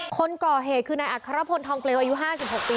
คนก่อเหตุคือในอธรรมพลทองเกรียวอายุ๕๖ปี